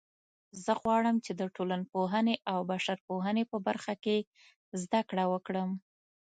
زه غواړم چې د ټولنپوهنې او بشرپوهنې په برخه کې زده کړه وکړم